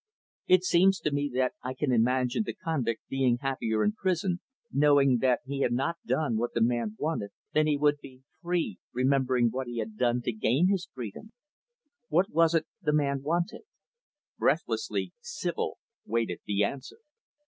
It seems to me that I can imagine the convict being happier in prison, knowing that he had not done what the man wanted, than he would he, free, remembering what he had done to gain his freedom. What was it the man wanted?" Breathlessly, Sibyl waited the answer.